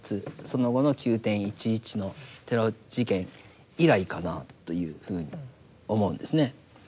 その後の９．１１のテロ事件以来かなというふうに思うんですね。